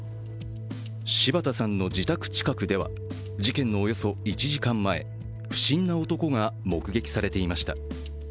柴田さんの自宅近くでは事件のおよそ１時間前不審な男が目撃されていました。